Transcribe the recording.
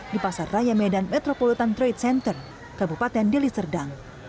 di pasar raya medan metropolitan trade center kabupaten deli serdang